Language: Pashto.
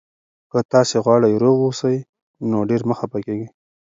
که تاسي غواړئ روغ اوسئ، نو ډېر مه خفه کېږئ.